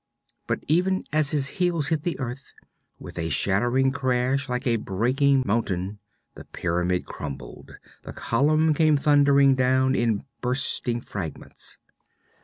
But even as his heels hit the earth, with a shattering crash like a breaking mountain the pyramid crumpled, the column came thundering down in bursting fragments.